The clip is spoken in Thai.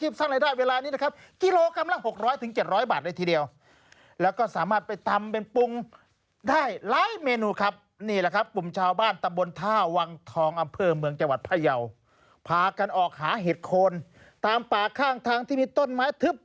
พระเยาพากันออกหาเห็ดโคลนตามป่าข้างทางที่มีต้นไม้ทึบ